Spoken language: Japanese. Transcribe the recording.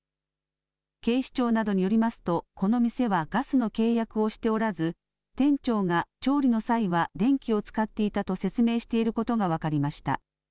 警視庁などによりますとこの店はガスの契約をしておらず店長が調理の際は電気を使っていたと説明していることが分かりました。